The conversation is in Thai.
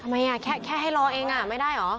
ทำไมอ่ะแค่ให้รอเองอ่ะไม่ได้หรอ